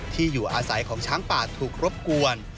ที่อยู่อาศัยของช้างป่าถูกรบกวน